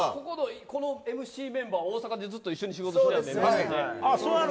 このＭＣメンバー、大阪でずっと一緒に仕事してて。